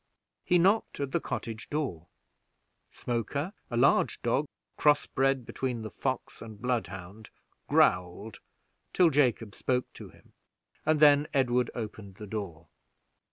He knocked at the cottage door; Smoker, a large dog cross bred between the fox and blood hound, growled till Jacob spoke to him, and then Edward opened the door.